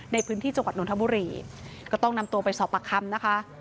ในพื้นที่จังหวัดนทบุรีก็ต้องนำตัวไปสอบปากคำนะคะ